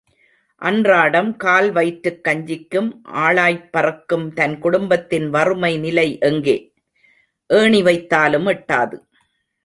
அன்றாடம் கால்வயிற்றுக் கஞ்சிக்கு ஆளாய் பறக்கும் தன் குடும்பத்தின் வறுமை நிலை எங்கே? ஏணி வைத்தாலும் எட்டாது.